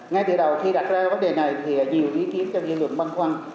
ngay từ đầu khi đặt ra vấn đề này thì nhiều ý kiến trong dân lượng băng khoăn